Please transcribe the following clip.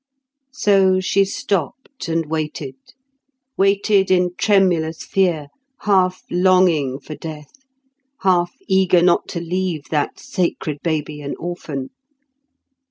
So she stopped and waited; waited in tremulous fear, half longing for death, half eager not to leave that sacred baby an orphan.